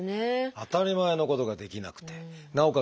当たり前のことができなくてなおかつ